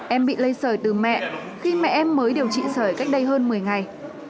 em bị lây sởi từ mẹ khi mẹ em mới điều trị sởi cách đây hơn một mươi ngày